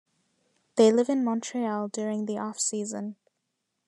They live in Montreal during the offseason.